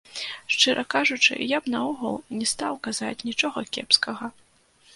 Шчыра кажучы, я б наогул не стаў казаць нічога кепскага.